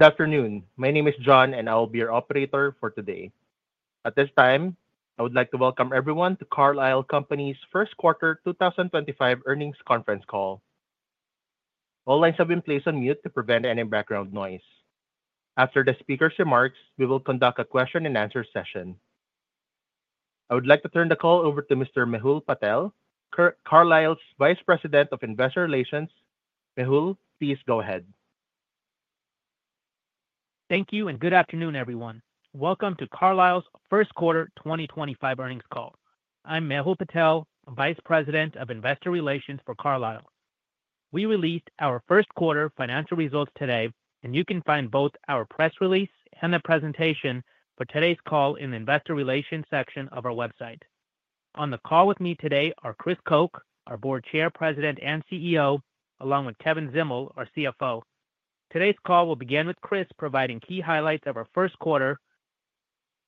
Good afternoon. My name is John, and I will be your operator for today. At this time, I would like to welcome everyone to Carlisle Companies' First Quarter 2025 Earnings Conference Call. All lines have been placed on mute to prevent any background noise. After the speaker's remarks, we will conduct a question-and-answer session. I would like to turn the call over to Mr. Mehul Patel, Carlisle's Vice President of Investor Relations. Mehul, please go ahead. Thank you, and good afternoon, everyone. Welcome to Carlisle's First Quarter 2025 Earnings Call. I'm Mehul Patel, Vice President of Investor Relations for Carlisle. We released our first quarter financial results today, and you can find both our press release and the presentation for today's call in the Investor Relations section of our website. On the call with me today are Chris Koch, our Board Chair, President, and CEO, along with Kevin Zdimal, our CFO. Today's call will begin with Chris providing key highlights of our first quarter.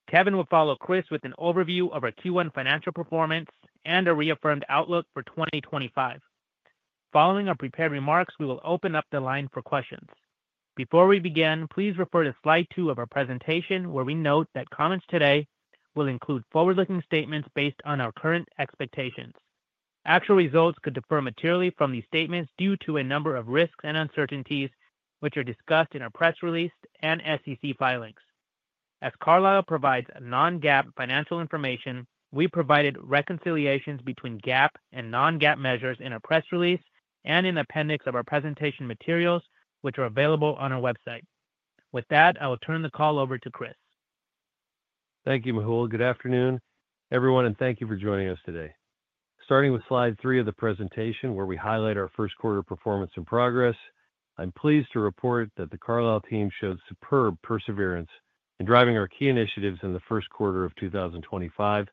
Kevin will follow Chris with an overview of our Q1 financial performance and a reaffirmed outlook for 2025. Following our prepared remarks, we will open up the line for questions. Before we begin, please refer to Slide two of our presentation, where we note that comments today will include forward-looking statements based on our current expectations. Actual results could differ materially from these statements due to a number of risks and uncertainties, which are discussed in our press release and SEC filings. As Carlisle provides non-GAAP financial information, we provided reconciliations between GAAP and non-GAAP measures in our press release and in the appendix of our presentation materials, which are available on our website. With that, I will turn the call over to Chris. Thank you, Mehul. Good afternoon, everyone, and thank you for joining us today. Starting with Slide three of the presentation, where we highlight our first quarter performance and progress, I'm pleased to report that the Carlisle team showed superb perseverance in driving our key initiatives in the first quarter of 2025,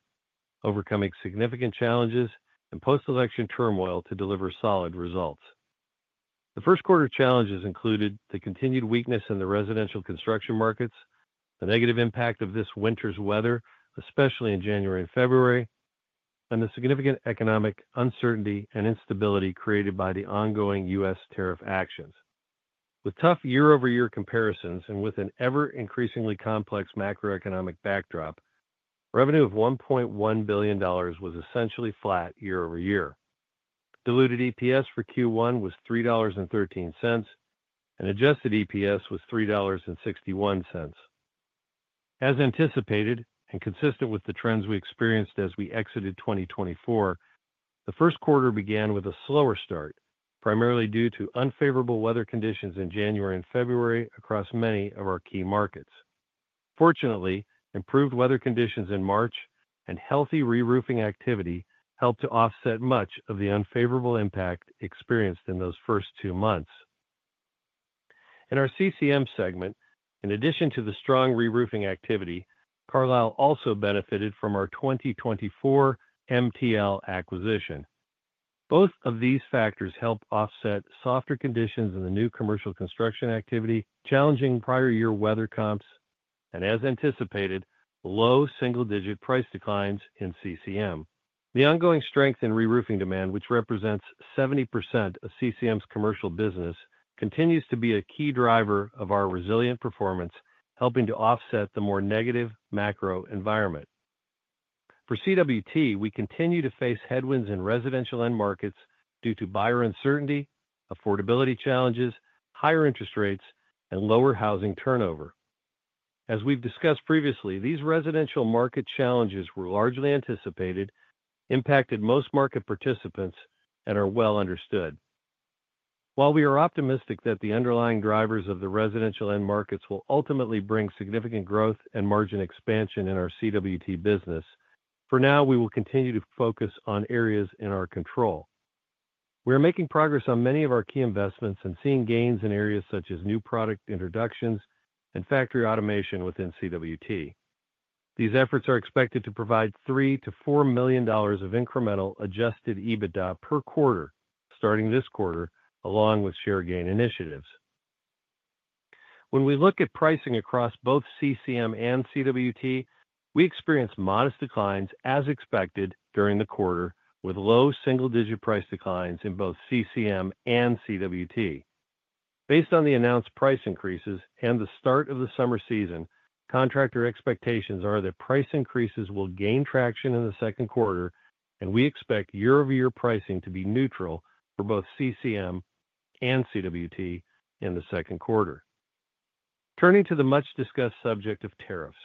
overcoming significant challenges and post-election turmoil to deliver solid results. The first quarter challenges included the continued weakness in the residential construction markets, the negative impact of this winter's weather, especially in January and February, and the significant economic uncertainty and instability created by the ongoing U.S. tariff actions. With tough year-over-year comparisons and with an ever-increasingly complex macroeconomic backdrop, revenue of $1.1 billion was essentially flat year-over-year. Diluted EPS for Q1 was $3.13, and adjusted EPS was $3.61. As anticipated and consistent with the trends we experienced as we exited 2024, the first quarter began with a slower start, primarily due to unfavorable weather conditions in January and February across many of our key markets. Fortunately, improved weather conditions in March and healthy reroofing activity helped to offset much of the unfavorable impact experienced in those first two months. In our CCM segment, in addition to the strong reroofing activity, Carlisle also benefited from our 2024 MTL acquisition. Both of these factors helped offset softer conditions in the new commercial construction activity, challenging prior-year weather comps, and, as anticipated, low single-digit price declines in CCM. The ongoing strength in reroofing demand, which represents 70% of CCM's commercial business, continues to be a key driver of our resilient performance, helping to offset the more negative macro environment. For CWT, we continue to face headwinds in residential end markets due to buyer uncertainty, affordability challenges, higher interest rates, and lower housing turnover. As we've discussed previously, these residential market challenges were largely anticipated, impacted most market participants, and are well understood. While we are optimistic that the underlying drivers of the residential end markets will ultimately bring significant growth and margin expansion in our CWT business, for now, we will continue to focus on areas in our control. We are making progress on many of our key investments and seeing gains in areas such as new product introductions and factory automation within CWT. These efforts are expected to provide $3 to 4 million of incremental adjusted EBITDA per quarter starting this quarter, along with share gain initiatives. When we look at pricing across both CCM and CWT, we experienced modest declines, as expected, during the quarter, with low single-digit price declines in both CCM and CWT. Based on the announced price increases and the start of the summer season, contractor expectations are that price increases will gain traction in the second quarter, and we expect year-over-year pricing to be neutral for both CCM and CWT in the second quarter. Turning to the much-discussed subject of tariffs.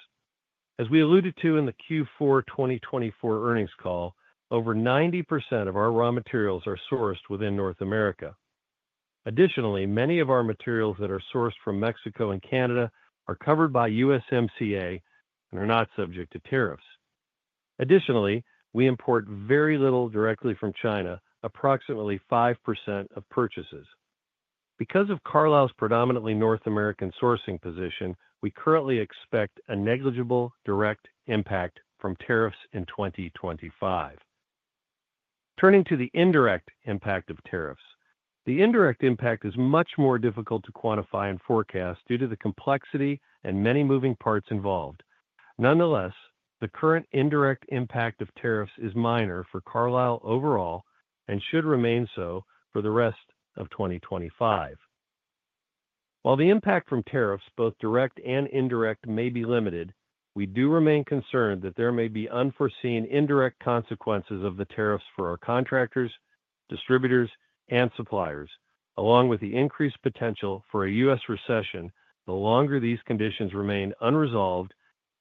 As we alluded to in the Q4 2024 earnings call, over 90% of our raw materials are sourced within North America. Additionally, many of our materials that are sourced from Mexico and Canada are covered by USMCA and are not subject to tariffs. Additionally, we import very little directly from China, approximately 5% of purchases. Because of Carlisle's predominantly North American sourcing position, we currently expect a negligible direct impact from tariffs in 2025. Turning to the indirect impact of tariffs. The indirect impact is much more difficult to quantify and forecast due to the complexity and many moving parts involved. Nonetheless, the current indirect impact of tariffs is minor for Carlisle overall and should remain so for the rest of 2025. While the impact from tariffs, both direct and indirect, may be limited, we do remain concerned that there may be unforeseen indirect consequences of the tariffs for our contractors, distributors, and suppliers, along with the increased potential for a U.S. recession the longer these conditions remain unresolved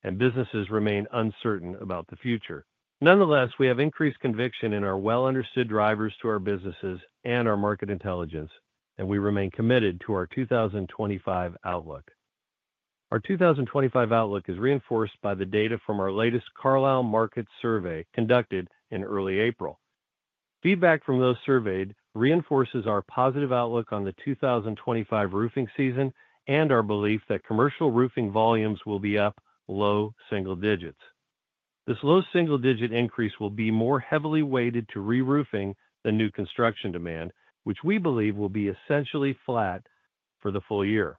and businesses remain uncertain about the future. Nonetheless, we have increased conviction in our well-understood drivers to our businesses and our market intelligence, and we remain committed to our 2025 outlook. Our 2025 outlook is reinforced by the data from our latest Carlisle Market Survey conducted in early April. Feedback from those surveyed reinforces our positive outlook on the 2025 roofing season and our belief that commercial roofing volumes will be up low single digits. This low single-digit increase will be more heavily weighted to reroofing than new construction demand, which we believe will be essentially flat for the full year.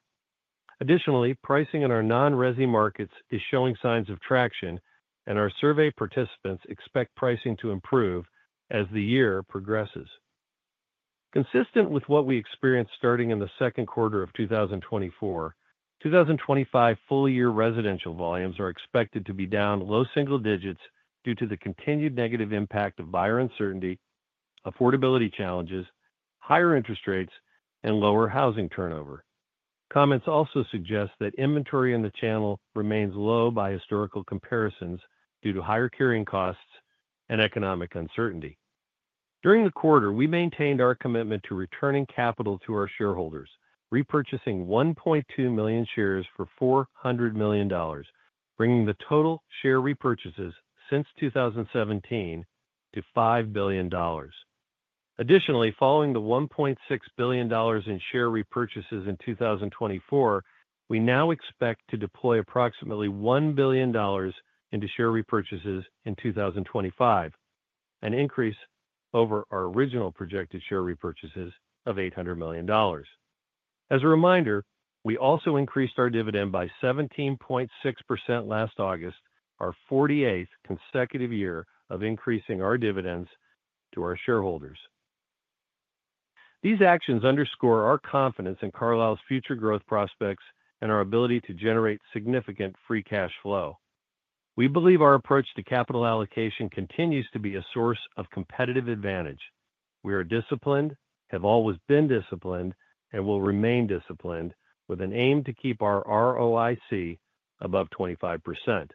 Additionally, pricing in our non-resi markets is showing signs of traction, and our survey participants expect pricing to improve as the year progresses. Consistent with what we experienced starting in the second quarter of 2024, 2025 full-year residential volumes are expected to be down low single digits due to the continued negative impact of buyer uncertainty, affordability challenges, higher interest rates, and lower housing turnover. Comments also suggest that inventory in the channel remains low by historical comparisons due to higher carrying costs and economic uncertainty. During the quarter, we maintained our commitment to returning capital to our shareholders, repurchasing 1.2 million shares for $400 million, bringing the total share repurchases since 2017 to $5 billion. Additionally, following the $1.6 billion in share repurchases in 2024, we now expect to deploy approximately $1 billion into share repurchases in 2025, an increase over our original projected share repurchases of $800 million. As a reminder, we also increased our dividend by 17.6% last August, our 48th consecutive year of increasing our dividends to our shareholders. These actions underscore our confidence in Carlisle's future growth prospects and our ability to generate significant free cash flow. We believe our approach to capital allocation continues to be a source of competitive advantage. We are disciplined, have always been disciplined, and will remain disciplined, with an aim to keep our ROIC above 25%.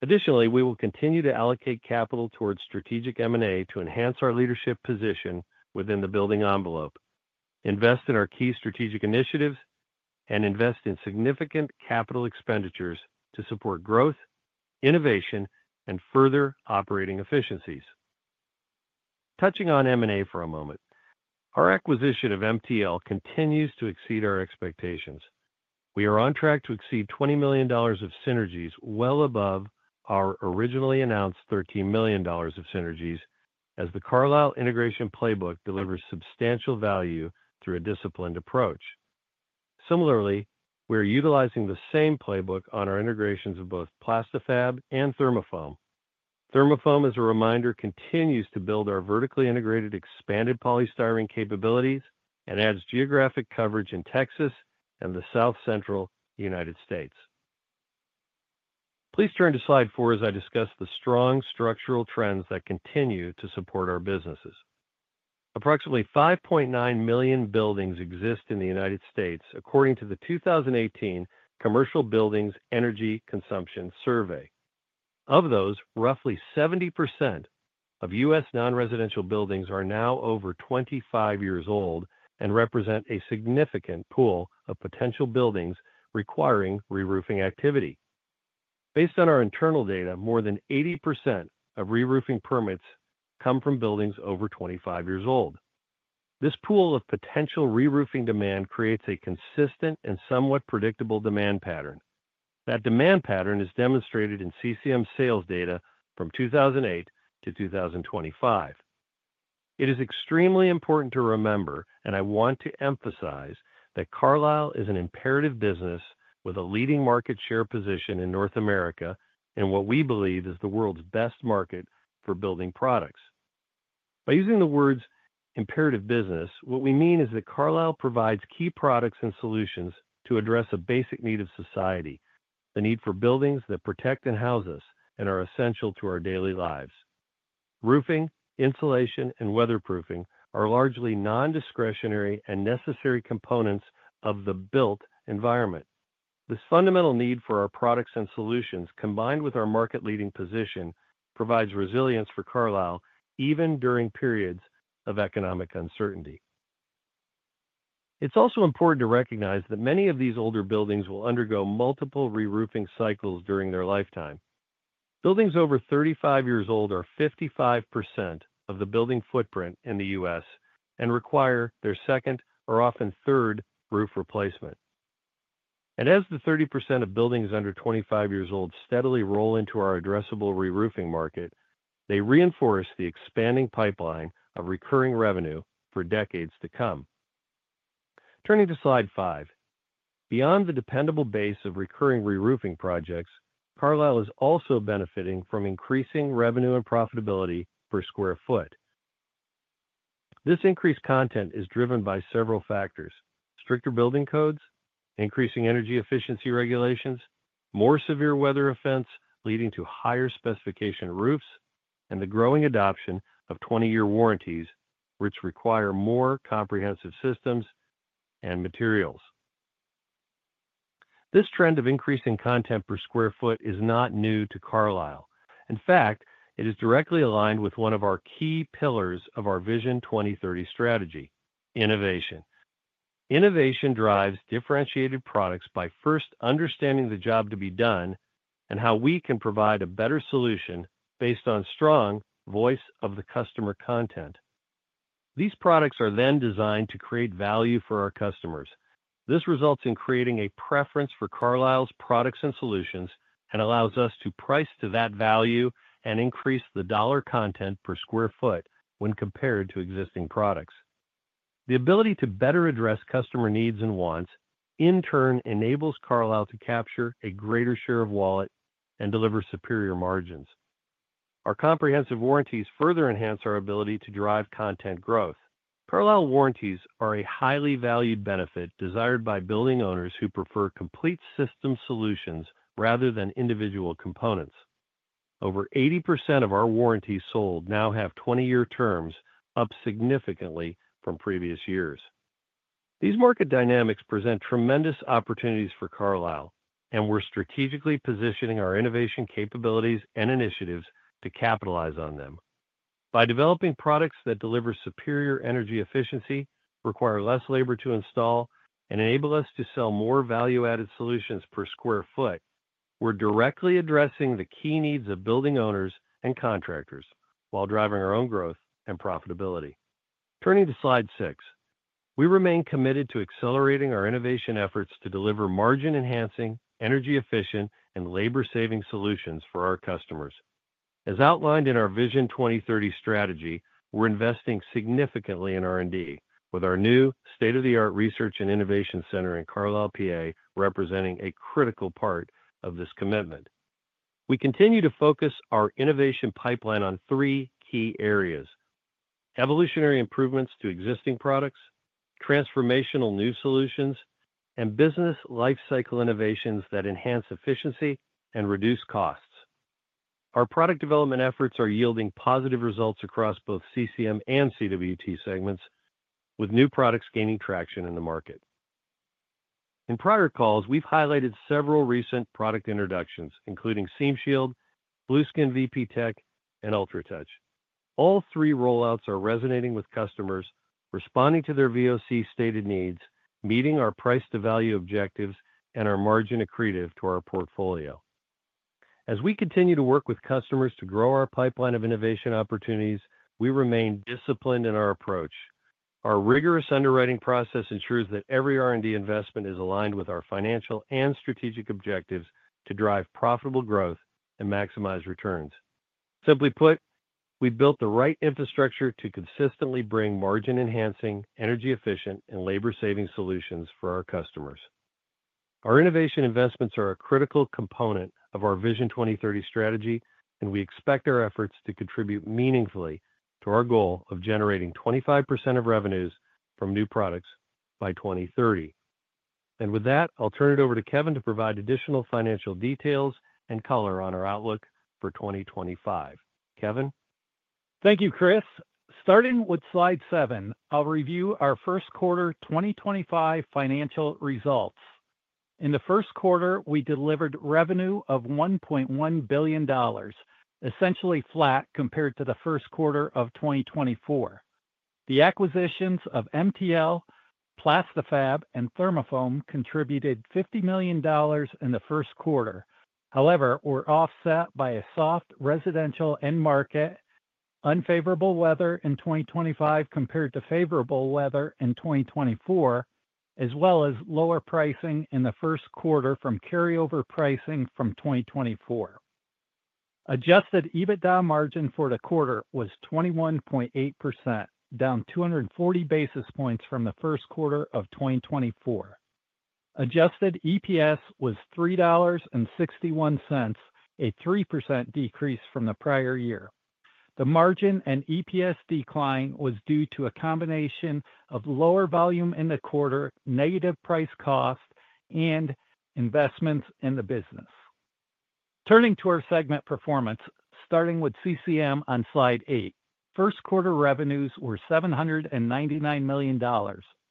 Additionally, we will continue to allocate capital towards strategic M&A to enhance our leadership position within the building envelope, invest in our key strategic initiatives, and invest in significant capital expenditures to support growth, innovation, and further operating efficiencies. Touching on M&A for a moment, our acquisition of MTL continues to exceed our expectations. We are on track to exceed $20 million of synergies, well above our originally announced $13 million of synergies, as the Carlisle Integration Playbook delivers substantial value through a disciplined approach. Similarly, we are utilizing the same playbook on our integrations of both Plasti-Fab and ThermaFoam. ThermaFoam, as a reminder, continues to build our vertically integrated expanded polystyrene capabilities and adds geographic coverage in Texas and the South Central United States. Please turn to Slide four as I discuss the strong structural trends that continue to support our businesses. Approximately 5.9 million buildings exist in the United States, according to the 2018 Commercial Buildings Energy Consumption Survey. Of those, roughly 70% of U.S. non-residential buildings are now over 25 years old and represent a significant pool of potential buildings requiring reroofing activity. Based on our internal data, more than 80% of reroofing permits come from buildings over 25 years old. This pool of potential reroofing demand creates a consistent and somewhat predictable demand pattern. That demand pattern is demonstrated in CCM sales data from 2008 to 2025. It is extremely important to remember, and I want to emphasize, that Carlisle is an imperative business with a leading market share position in North America in what we believe is the world's best market for building products. By using the words "imperative business," what we mean is that Carlisle provides key products and solutions to address a basic need of society: the need for buildings that protect and house us and are essential to our daily lives. Roofing, insulation, and weatherproofing are largely non-discretionary and necessary components of the built environment. This fundamental need for our products and solutions, combined with our market-leading position, provides resilience for Carlisle even during periods of economic uncertainty. It is also important to recognize that many of these older buildings will undergo multiple reroofing cycles during their lifetime. Buildings over 35 years old are 55% of the building footprint in the U.S. and require their second or often third roof replacement. As the 30% of buildings under 25 years old steadily roll into our addressable reroofing market, they reinforce the expanding pipeline of recurring revenue for decades to come. Turning to Slide five, beyond the dependable base of recurring reroofing projects, Carlisle is also benefiting from increasing revenue and profitability per square foot. This increased content is driven by several factors: stricter building codes, increasing energy efficiency regulations, more severe weather events leading to higher specification roofs, and the growing adoption of 20-year warranties, which require more comprehensive systems and materials. This trend of increasing content per square foot is not new to Carlisle. In fact, it is directly aligned with one of our key pillars of our Vision 2030 strategy: innovation. Innovation drives differentiated products by first understanding the job to be done and how we can provide a better solution based on strong voice of the customer content. These products are then designed to create value for our customers. This results in creating a preference for Carlisle's products and solutions and allows us to price to that value and increase the dollar content per square foot when compared to existing products. The ability to better address customer needs and wants, in turn, enables Carlisle to capture a greater share of wallet and deliver superior margins. Our comprehensive warranties further enhance our ability to drive content growth. Carlisle warranties are a highly valued benefit desired by building owners who prefer complete system solutions rather than individual components. Over 80% of our warranties sold now have 20-year terms, up significantly from previous years. These market dynamics present tremendous opportunities for Carlisle, and we're strategically positioning our innovation capabilities and initiatives to capitalize on them. By developing products that deliver superior energy efficiency, require less labor to install, and enable us to sell more value-added solutions per square foot, we're directly addressing the key needs of building owners and contractors while driving our own growth and profitability. Turning to Slide six, we remain committed to accelerating our innovation efforts to deliver margin-enhancing, energy-efficient, and labor-saving solutions for our customers. As outlined in our Vision 2030 strategy, we're investing significantly in R&D, with our new state-of-the-art research and innovation center in Carlisle, PA, representing a critical part of this commitment. We continue to focus our innovation pipeline on three key areas: evolutionary improvements to existing products, transformational new solutions, and business lifecycle innovations that enhance efficiency and reduce costs. Our product development efforts are yielding positive results across both CCM and CWT segments, with new products gaining traction in the market. In prior calls, we've highlighted several recent product introductions, including SeamShield, Blueskin VPTech, and UltraTouch. All three rollouts are resonating with customers, responding to their VOC stated needs, meeting our price-to-value objectives, and are margin accretive to our portfolio. As we continue to work with customers to grow our pipeline of innovation opportunities, we remain disciplined in our approach. Our rigorous underwriting process ensures that every R&D investment is aligned with our financial and strategic objectives to drive profitable growth and maximize returns. Simply put, we've built the right infrastructure to consistently bring margin-enhancing, energy-efficient, and labor-saving solutions for our customers. Our innovation investments are a critical component of our Vision 2030 strategy, and we expect our efforts to contribute meaningfully to our goal of generating 25% of revenues from new products by 2030. With that, I'll turn it over to Kevin to provide additional financial details and color on our outlook for 2025. Kevin. Thank you, Chris. Starting with Slide seven, I'll review our first quarter 2025 financial results. In the first quarter, we delivered revenue of $1.1 billion, essentially flat compared to the first quarter of 2024. The acquisitions of MTL, Plasti-Fab, and ThermaFoam contributed $50 million in the first quarter. However, we were offset by a soft residential end market, unfavorable weather in 2025 compared to favorable weather in 2024, as well as lower pricing in the first quarter from carryover pricing from 2024. Adjusted EBITDA margin for the quarter was 21.8%, down 240 basis points from the first quarter of 2024. Adjusted EPS was $3.61, a 3% decrease from the prior year. The margin and EPS decline was due to a combination of lower volume in the quarter, negative price-cost, and investments in the business. Turning to our segment performance, starting with CCM on Slide eight, first quarter revenues were $799 million,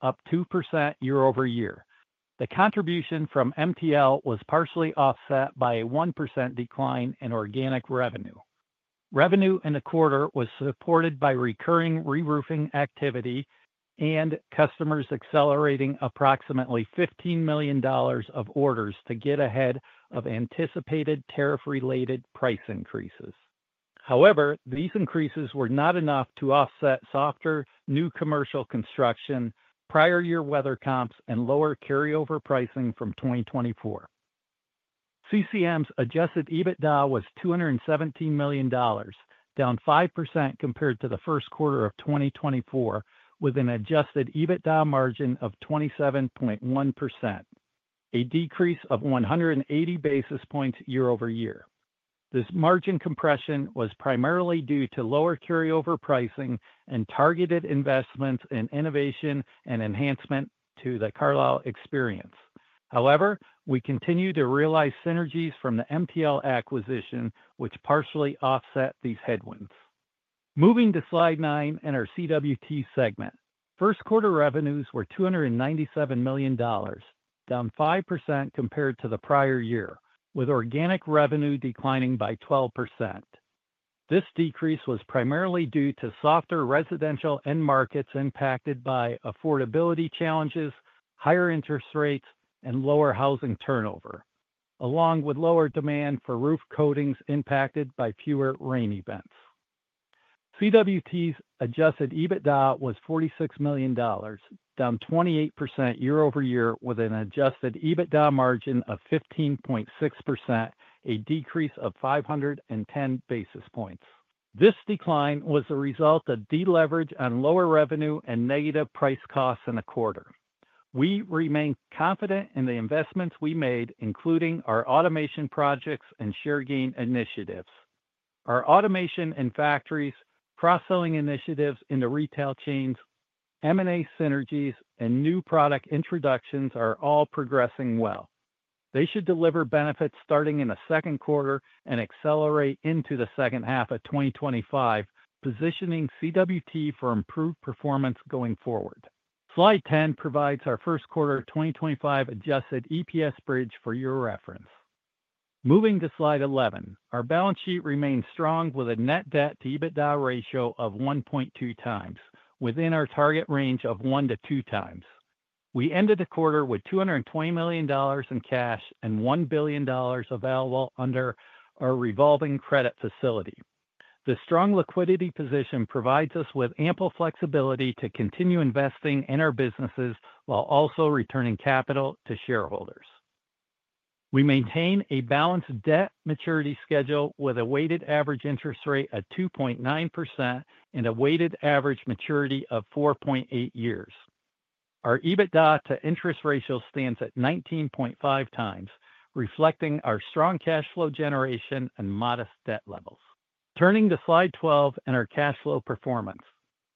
up 2% year-over-year. The contribution from MTL was partially offset by a 1% decline in organic revenue. Revenue in the quarter was supported by recurring reroofing activity and customers accelerating approximately $15 million of orders to get ahead of anticipated tariff-related price increases. However, these increases were not enough to offset softer new commercial construction, prior year weather comps, and lower carryover pricing from 2024. CCM's adjusted EBITDA was $217 million, down 5% compared to the first quarter of 2024, with an adjusted EBITDA margin of 27.1%, a decrease of 180 basis points year-over-year. This margin compression was primarily due to lower carryover pricing and targeted investments in innovation and enhancement to the Carlisle Experience. However, we continue to realize synergies from the MTL acquisition, which partially offset these headwinds. Moving to Slide nine in our CWT segment, first quarter revenues were $297 million, down 5% compared to the prior year, with organic revenue declining by 12%. This decrease was primarily due to softer residential end markets impacted by affordability challenges, higher interest rates, and lower housing turnover, along with lower demand for roof coatings impacted by fewer rain events. CWT's adjusted EBITDA was $46 million, down 28% year-over-year, with an adjusted EBITDA margin of 15.6%, a decrease of 510 basis points. This decline was the result of deleverage on lower revenue and negative price-costs in the quarter. We remain confident in the investments we made, including our automation projects and share gain initiatives. Our automation in factories, cross-selling initiatives in the retail chains, M&A synergies, and new product introductions are all progressing well. They should deliver benefits starting in the second quarter and accelerate into the second half of 2025, positioning CWT for improved performance going forward. Slide 10 provides our first quarter 2025 adjusted EPS bridge for your reference. Moving to Slide 11, our balance sheet remains strong with a net debt to EBITDA ratio of 1.2 times, within our target range of one to two times. We ended the quarter with $220 million in cash and $1 billion available under our revolving credit facility. The strong liquidity position provides us with ample flexibility to continue investing in our businesses while also returning capital to shareholders. We maintain a balanced debt maturity schedule with a weighted average interest rate of 2.9% and a weighted average maturity of 4.8 years. Our EBITDA to interest ratio stands at 19.5 times, reflecting our strong cash flow generation and modest debt levels. Turning to Slide 12 in our cash flow performance,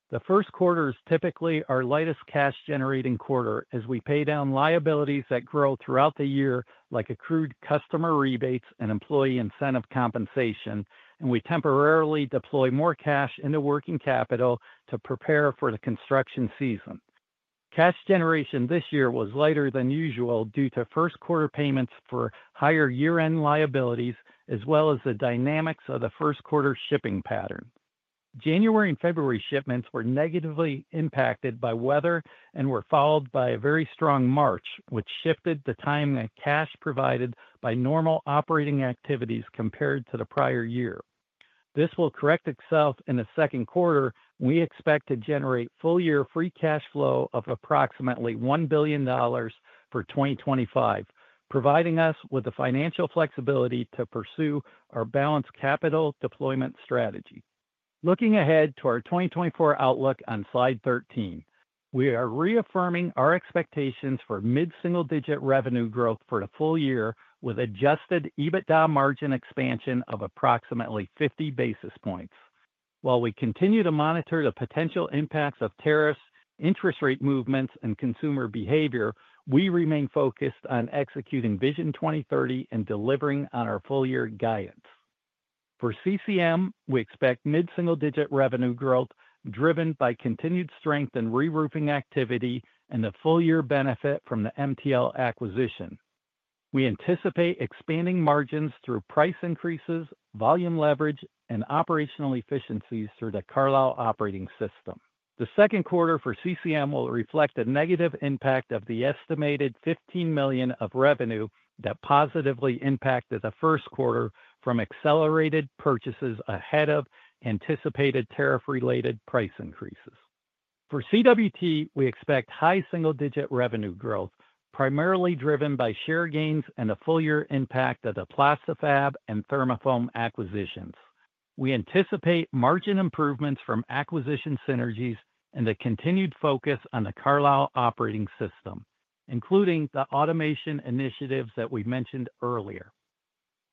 the first quarter is typically our lightest cash-generating quarter as we pay down liabilities that grow throughout the year, like accrued customer rebates and employee incentive compensation, and we temporarily deploy more cash into working capital to prepare for the construction season. Cash generation this year was lighter than usual due to first quarter payments for higher year-end liabilities, as well as the dynamics of the first quarter shipping pattern. January and February shipments were negatively impacted by weather and were followed by a very strong March, which shifted the time that cash provided by normal operating activities compared to the prior year. This will correct itself in the second quarter. We expect to generate full-year free cash flow of approximately $1 billion for 2025, providing us with the financial flexibility to pursue our balanced capital deployment strategy. Looking ahead to our 2024 outlook on Slide 13, we are reaffirming our expectations for mid-single-digit revenue growth for the full year with adjusted EBITDA margin expansion of approximately 50 basis points. While we continue to monitor the potential impacts of tariffs, interest rate movements, and consumer behavior, we remain focused on executing Vision 2030 and delivering on our full-year guidance. For CCM, we expect mid-single-digit revenue growth driven by continued strength in reroofing activity and the full-year benefit from the MTL acquisition. We anticipate expanding margins through price increases, volume leverage, and operational efficiencies through the Carlisle Operating System. The second quarter for CCM will reflect a negative impact of the estimated $15 million of revenue that positively impacted the first quarter from accelerated purchases ahead of anticipated tariff-related price increases. For CWT, we expect high single-digit revenue growth, primarily driven by share gains and the full-year impact of the Plasti-Fab and ThermaFoam acquisitions. We anticipate margin improvements from acquisition synergies and the continued focus on the Carlisle Operating System, including the automation initiatives that we mentioned earlier.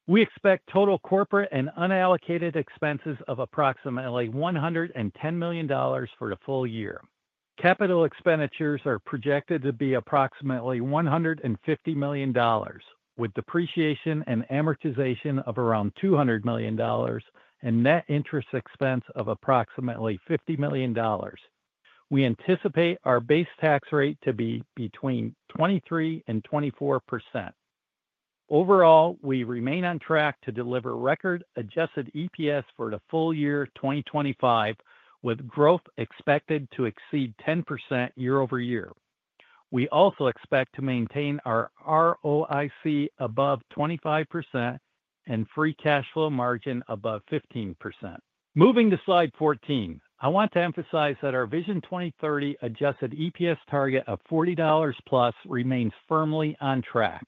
We expect total corporate and unallocated expenses of approximately $110 million for the full year. Capital expenditures are projected to be approximately $150 million, with depreciation and amortization of around $200 million and net interest expense of approximately $50 million. We anticipate our base tax rate to be between 23% and 24%. Overall, we remain on track to deliver record-adjusted EPS for the full year 2025, with growth expected to exceed 10% year-over-year. We also expect to maintain our ROIC above 25% and free cash flow margin above 15%. Moving to Slide 14, I want to emphasize that our Vision 2030 adjusted EPS target of $40 plus remains firmly on track.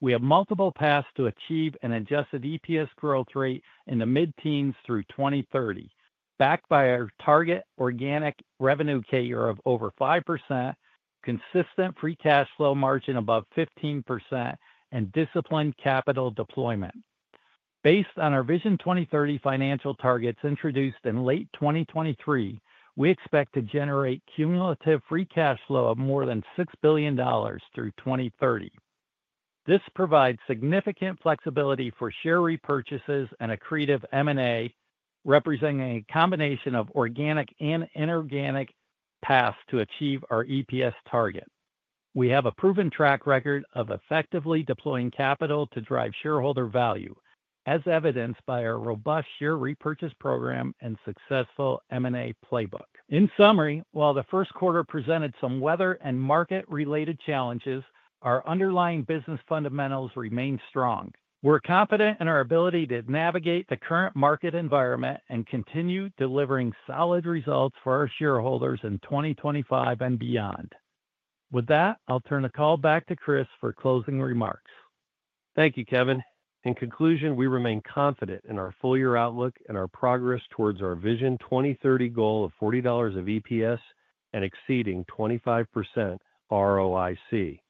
We have multiple paths to achieve an adjusted EPS growth rate in the mid-teens through 2030, backed by our target organic revenue CAGR of over 5%, consistent free cash flow margin above 15%, and disciplined capital deployment. Based on our Vision 2030 financial targets introduced in late 2023, we expect to generate cumulative free cash flow of more than $6 billion through 2030. This provides significant flexibility for share repurchases and accretive M&A, representing a combination of organic and inorganic paths to achieve our EPS target. We have a proven track record of effectively deploying capital to drive shareholder value, as evidenced by our robust share repurchase program and successful M&A playbook. In summary, while the first quarter presented some weather and market-related challenges, our underlying business fundamentals remain strong. We're confident in our ability to navigate the current market environment and continue delivering solid results for our shareholders in 2025 and beyond. With that, I'll turn the call back to Chris for closing remarks. Thank you, Kevin. In conclusion, we remain confident in our full-year outlook and our progress towards our Vision 2030 goal of $40 of EPS and exceeding 25% ROIC.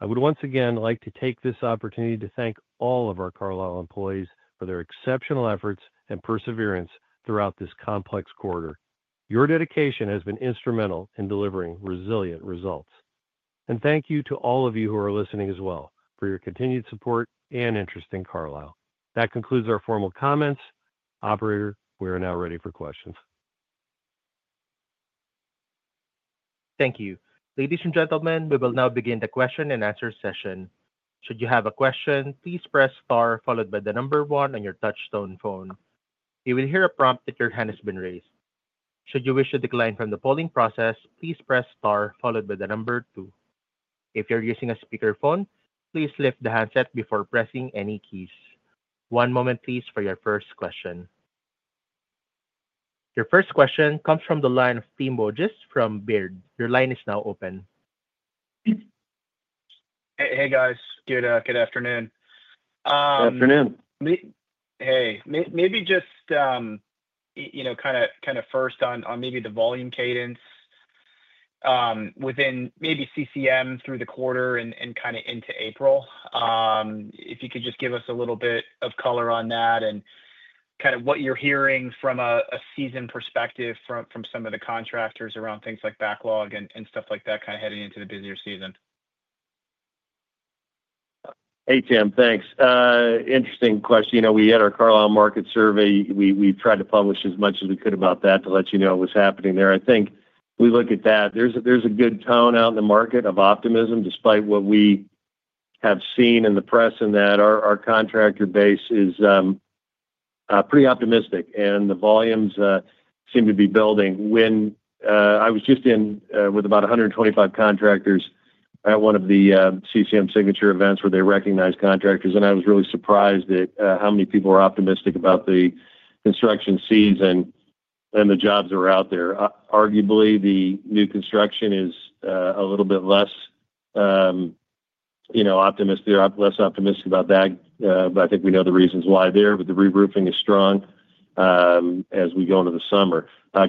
I would once again like to take this opportunity to thank all of our Carlisle employees for their exceptional efforts and perseverance throughout this complex quarter. Your dedication has been instrumental in delivering resilient results. Thank you to all of you who are listening as well for your continued support and interest in Carlisle. That concludes our formal comments. Operator, we are now ready for questions. Thank you. Ladies and gentlemen, we will now begin the question and answer session. Should you have a question, please press star followed by the number one on your touch-tone phone. You will hear a prompt that your hand has been raised. Should you wish to decline from the polling process, please press star followed by the number two. If you're using a speakerphone, please lift the handset before pressing any keys. One moment, please, for your first question. Your first question comes from the line of Tim Wojs from Baird. Your line is now open. Hey, guys. Good afternoon. Good afternoon.,Hey maybe just, you know, kind of first on maybe the volume cadence within maybe CCM through the quarter and kind of into April. If you could just give us a little bit of color on that and kind of what you're hearing from a season perspective from some of the contractors around things like backlog and stuff like that kind of heading into the busier season. Hey, Tim, thanks. Interesting question. You know, we had our Carlisle market survey. We've tried to publish as much as we could about that to let you know what was happening there. I think we look at that. There's a good tone out in the market of optimism despite what we have seen in the press and that our contractor base is pretty optimistic and the volumes seem to be building. When I was just in with about 125 contractors at one of the CCM signature events where they recognized contractors, and I was really surprised at how many people were optimistic about the construction season and the jobs that were out there. Arguably, the new construction is a little bit less, you know, optimistic. They're less optimistic about that, but I think we know the reasons why there, but the reroofing is strong as we go into the summer.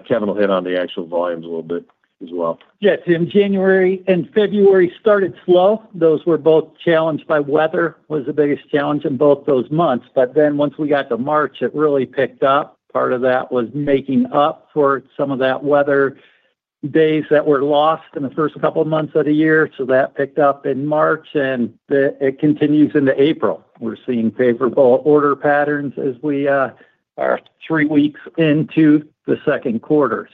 Kevin will hit on the actual volumes a little bit as well. Yeah, Tim, January and February started slow. Those were both challenged by weather, was the biggest challenge in both those months. Once we got to March, it really picked up. Part of that was making up for some of that weather days that were lost in the first couple of months of the year. That picked up in March, and it continues into April. We're seeing favorable order patterns as we are three weeks into the second quarter.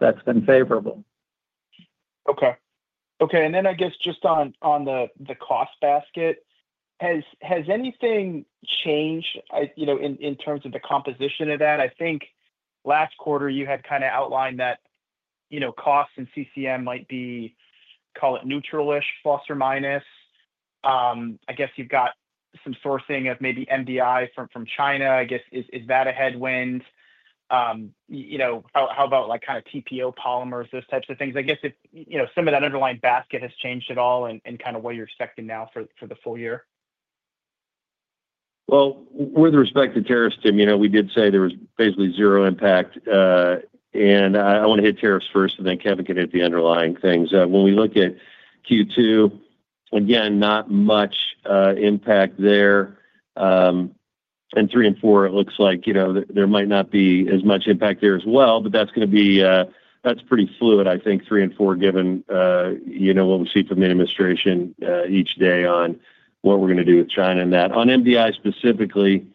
That's been favorable. Okay. Okay. I guess just on the cost basket, has anything changed, you know, in terms of the composition of that? I think last quarter you had kind of outlined that, you know, costs in CCM might be, call it neutral-ish, plus or minus. I guess you've got some sourcing of maybe MDI from China. I guess is that a headwind? You know, how about like kind of TPO polymers, those types of things? I guess if, you know, some of that underlying basket has changed at all and kind of what you're expecting now for the full year? With respect to tariffs, Tim, you know, we did say there was basically zero impact. I want to hit tariffs first, and then Kevin can hit the underlying things. When we look at Q2, again, not much impact there. Three and four, it looks like, you know, there might not be as much impact there as well, but that's going to be, that's pretty fluid, I think, three and four, given, you know, what we see from the administration each day on what we're going to do with China and that. On MDI specifically,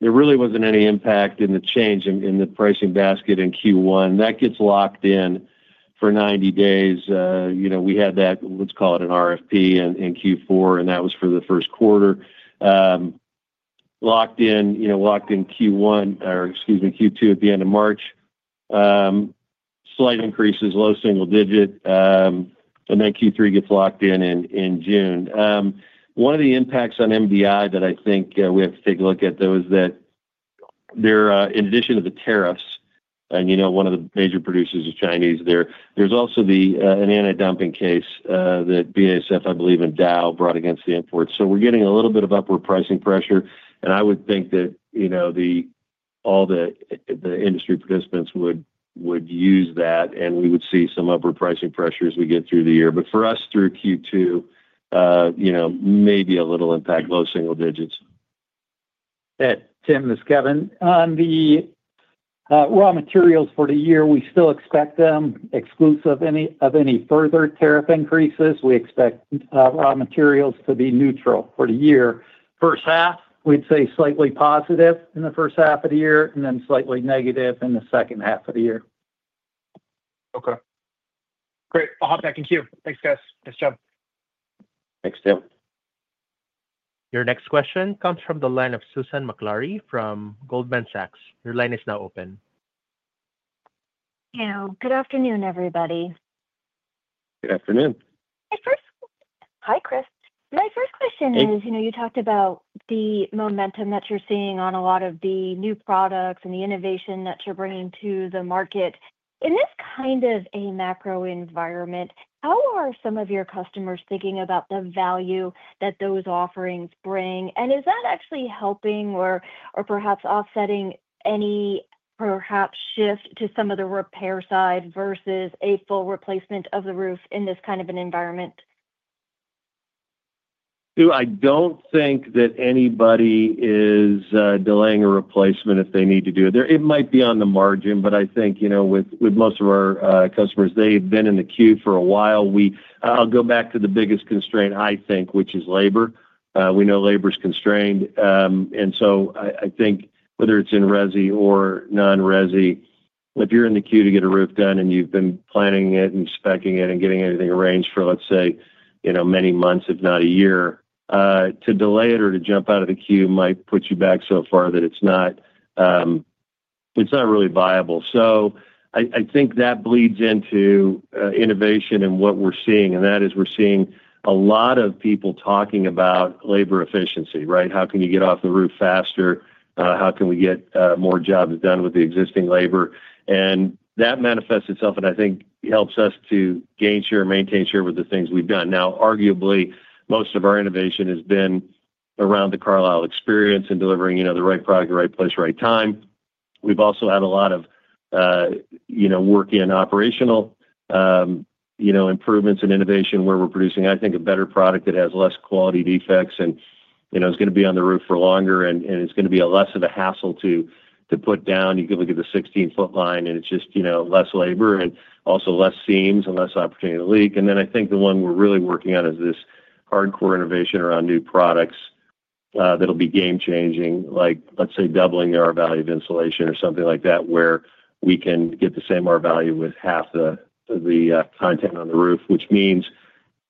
there really wasn't any impact in the change in the pricing basket in Q1. That gets locked in for 90 days. You know, we had that, let's call it an RFP in Q4, and that was for the first quarter. Locked in, you know, locked in Q1, or excuse me, Q2 at the end of March. Slight increases, low single digit. Then Q3 gets locked in in June. One of the impacts on MDI that I think we have to take a look at, though, is that there, in addition to the tariffs, and you know, one of the major producers is Chinese there, there's also an anti-dumping case that BASF, I believe, and Dow brought against the imports. You know, we're getting a little bit of upward pricing pressure. I would think that, you know, all the industry participants would use that, and we would see some upward pricing pressure as we get through the year. For us, through Q2, you know, maybe a little impact, low single digits. Tim, this is Kevin. On the raw materials for the year, we still expect them exclusive of any further tariff increases. We expect raw materials to be neutral for the year. First half, we'd say slightly positive in the first half of the year, and then slightly negative in the second half of the year. Okay. Great. I'll hop back in Q. Thanks, guys. Nice job. Thanks, Tim. Your next question comes from the line of Susan Maklari from Goldman Sachs. Your line is now open. Hello. Good afternoon, everybody. Good afternoon. My first question—hi, Chris. My first question is, you know, you talked about the momentum that you're seeing on a lot of the new products and the innovation that you're bringing to the market. In this kind of a macro environment, how are some of your customers thinking about the value that those offerings bring? Is that actually helping or perhaps offsetting any perhaps shift to some of the repair side versus a full replacement of the roof in this kind of an environment? I don't think that anybody is delaying a replacement if they need to do it. It might be on the margin, but I think, you know, with most of our customers, they've been in the queue for a while. I'll go back to the biggest constraint, I think, which is labor. We know labor is constrained. I think whether it's in resi or non-resi, if you're in the queue to get a roof done and you've been planning it and speccing it and getting everything arranged for, let's say, you know, many months, if not a year, to delay it or to jump out of the queue might put you back so far that it's not really viable. I think that bleeds into innovation and what we're seeing. That is, we're seeing a lot of people talking about labor efficiency, right? How can you get off the roof faster? How can we get more jobs done with the existing labor? That manifests itself, and I think helps us to gain share and maintain share with the things we've done. Now, arguably, most of our innovation has been around the Carlisle Experience and delivering, you know, the right product, the right place, right time. We've also had a lot of, you know, work in operational, you know, improvements and innovation where we're producing, I think, a better product that has less quality defects and, you know, is going to be on the roof for longer and is going to be less of a hassle to put down. You can look at the 16-foot line and it's just, you know, less labor and also less seams and less opportunity to leak. I think the one we're really working on is this hardcore innovation around new products that'll be game-changing, like, let's say, doubling our value of insulation or something like that, where we can get the same R-value with half the content on the roof, which means,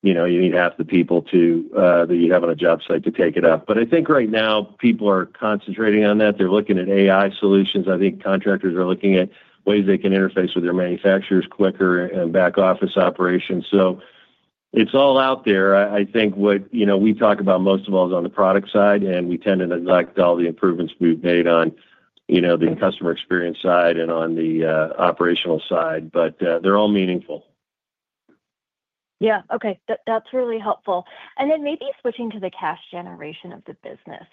you know, you need half the people that you have on a job site to take it up. I think right now people are concentrating on that. They're looking at AI solutions. I think contractors are looking at ways they can interface with their manufacturers quicker and back office operations. It's all out there. I think what, you know, we talk about most of all is on the product side, and we tend to neglect all the improvements we've made on, you know, the customer experience side and on the operational side, but they're all meaningful. Yeah. Okay. That's really helpful. Maybe switching to the cash generation of the business.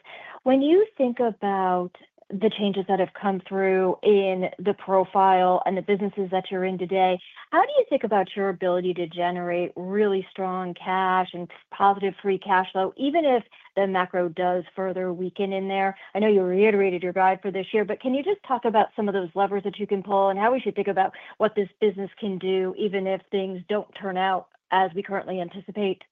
When you think about the changes that have come through in the profile and the businesses that you're in today, how do you think about your ability to generate really strong cash and positive free cash flow, even if the macro does further weaken in there? I know you reiterated your guide for this year, but can you just talk about some of those levers that you can pull and how we should think about what this business can do, even if things don't turn out as we currently anticipate?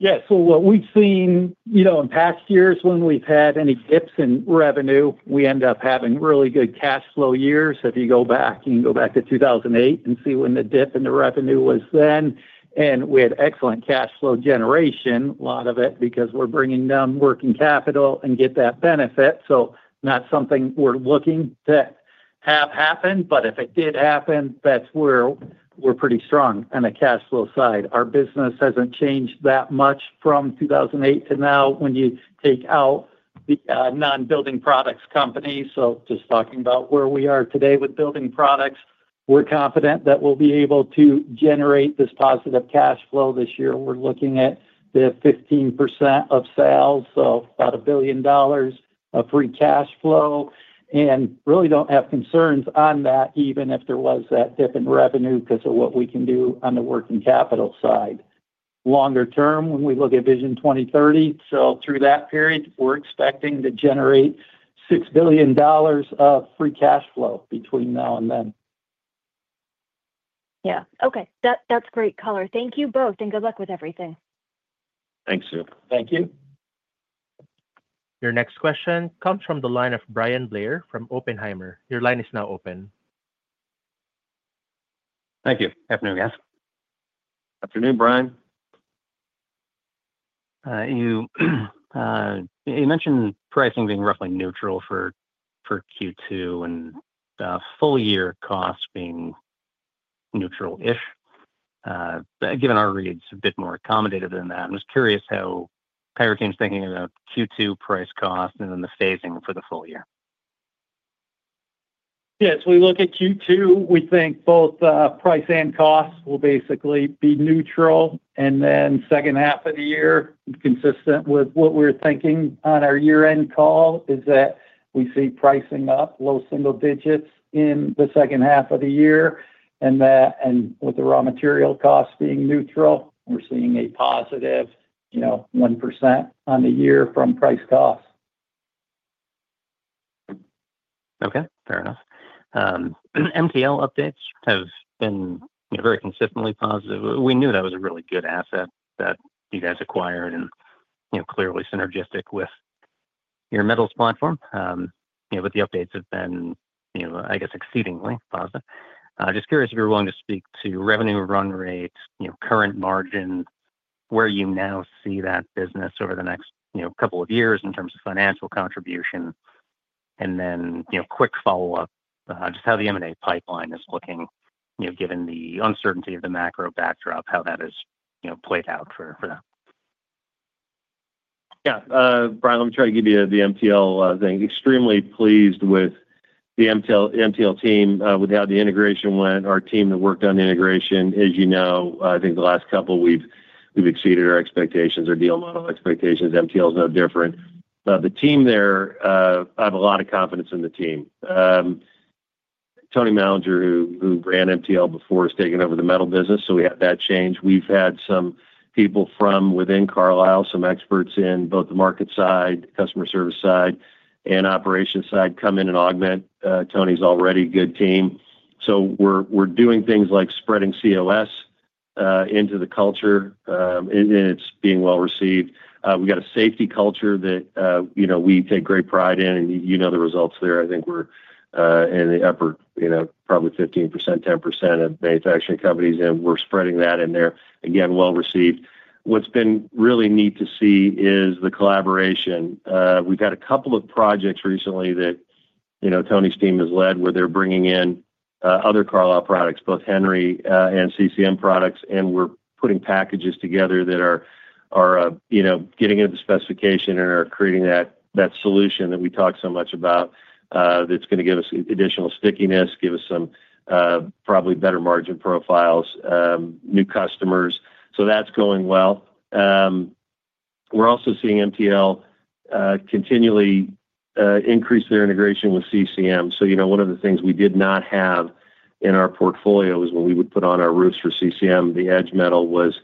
Yeah. What we've seen, you know, in past years, when we've had any dips in revenue, we end up having really good cash flow years. If you go back, you can go back to 2008 and see when the dip in the revenue was then. We had excellent cash flow generation, a lot of it because we're bringing down working capital and get that benefit. Not something we're looking to have happen, but if it did happen, that's where we're pretty strong on the cash flow side. Our business hasn't changed that much from 2008 to now when you take out the non-building products company. Just talking about where we are today with building products, we're confident that we'll be able to generate this positive cash flow this year. We're looking at the 15% of sales, so about $1 billion of free cash flow, and really don't have concerns on that, even if there was that dip in revenue because of what we can do on the working capital side. Longer term, when we look at Vision 2030, so through that period, we're expecting to generate $6 billion of free cash flow between now and then. Yeah. Okay. That's great color. Thank you both, and good luck with everything. Thanks, Sue. Thank you. Your next question comes from the line of Bryan Blair from Oppenheimer. Your line is now open. Thank you. Afternoon, guys. Afternoon, Bryan. You mentioned pricing being roughly neutral for Q2 and full year costs being neutral-ish. Given our reads, a bit more accommodative than that. I'm just curious how Carlisle's thinking about Q2 price-cost and then the phasing for the full year. Yes. We look at Q2, we think both price and costs will basically be neutral. Second half of the year, consistent with what we're thinking on our year-end call, is that we see pricing up low single digits in the second half of the year. With the raw material costs being neutral, we're seeing a positive, you know, 1% on the year from price-costs. Okay. Fair enough. MTL updates have been very consistently positive. We knew that was a really good asset that you guys acquired and, you know, clearly synergistic with your metals platform. You know, but the updates have been, you know, I guess, exceedingly positive. Just curious if you're willing to speak to revenue run rate, you know, current margin, where you now see that business over the next, you know, couple of years in terms of financial contribution. Then, you know, quick follow-up, just how the M&A pipeline is looking, you know, given the uncertainty of the macro backdrop, how that is, you know, played out for that. Yeah. Brian, let me try to give you the MTL thing. Extremely pleased with the MTL team, with how the integration went. Our team that worked on the integration, as you know, I think the last couple we have exceeded our expectations, our deal model expectations. MTL is no different. The team there, I have a lot of confidence in the team. Tony Mallinger, who ran MTL before, has taken over the metal business. We had that change. We have had some people from within Carlisle, some experts in both the market side, customer service side, and operations side come in and augment. Tony's already a good team. We're doing things like spreading COS into the culture, and it's being well received. We got a safety culture that, you know, we take great pride in, and you know the results there. I think we're in the upper, you know, probably 15%, 10% of manufacturing companies, and we're spreading that in there. Again, well received. What's been really neat to see is the collaboration. We've had a couple of projects recently that, you know, Tony's team has led where they're bringing in other Carlisle products, both Henry and CCM products, and we're putting packages together that are, you know, getting into the specification and are creating that solution that we talk so much about that's going to give us additional stickiness, give us some probably better margin profiles, new customers. That is going well. We're also seeing MTL continually increase their integration with CCM. You know, one of the things we did not have in our portfolio is when we would put on our roofs for CCM, the edge metal was,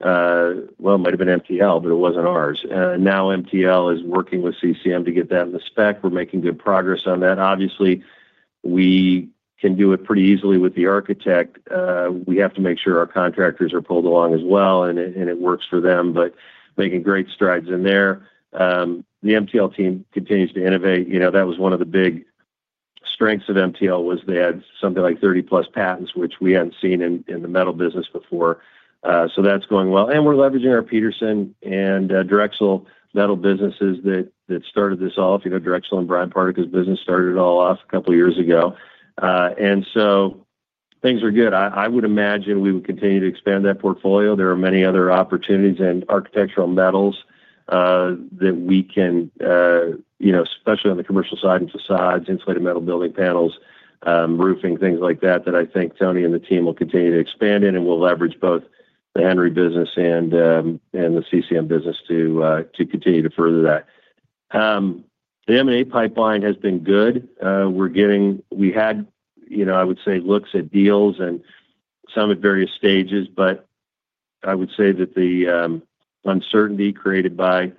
well, it might have been MTL, but it was not ours. Now MTL is working with CCM to get that in the spec. We are making good progress on that. Obviously, we can do it pretty easily with the architect. We have to make sure our contractors are pulled along as well, and it works for them, but making great strides in there. The MTL team continues to innovate. You know, that was one of the big strengths of MTL was they had something like 30-plus patents, which we had not seen in the metal business before. That is going well. We are leveraging our Petersen and Drexel metal businesses that started this off. You know, Drexel and Brian Partyka's business started it all off a couple of years ago. And so things are good. I would imagine we would continue to expand that portfolio. There are many other opportunities in architectural metals that we can, you know, especially on the commercial side and facades, insulated metal building panels, roofing, things like that, that I think Tony and the team will continue to expand in and will leverage both the Henry business and the CCM business to continue to further that. The M&A pipeline has been good. We're getting, we had, you know, I would say, looks at deals and some at various stages, but I would say that the uncertainty created by,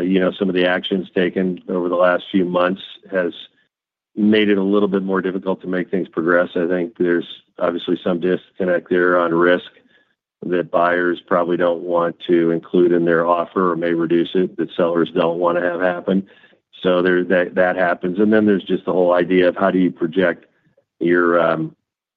you know, some of the actions taken over the last few months has made it a little bit more difficult to make things progress. I think there's obviously some disconnect there on risk that buyers probably don't want to include in their offer or may reduce it that sellers don't want to have happen. That happens. Then there's just the whole idea of how do you project your